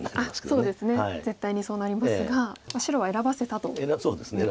そうですね絶対にそうなりますが白は選ばせたということなんですね。